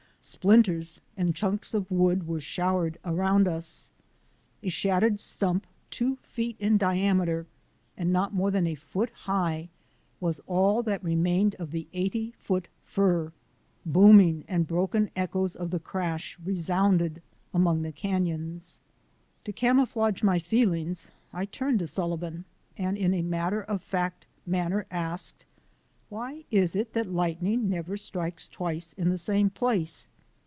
Splinters and chunks of wood were showered around us. A shattered stump two feet in diameter and not more than a foot high was all that remained of the eighty foot fir. Booming and broken echoes of the crash re sounded among the canons. To camouflage my feelings, I turned to Sullivan and in a matter of fact manner asked, "Why is it that lightning never strikes twice in the same place?"